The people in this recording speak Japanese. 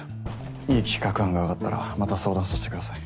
いい企画案が上がったらまた相談させてください。